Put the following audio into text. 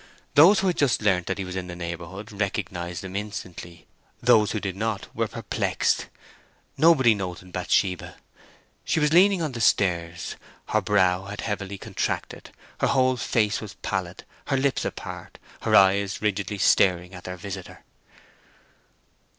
Those who had just learnt that he was in the neighbourhood recognized him instantly; those who did not were perplexed. Nobody noted Bathsheba. She was leaning on the stairs. Her brow had heavily contracted; her whole face was pallid, her lips apart, her eyes rigidly staring at their visitor.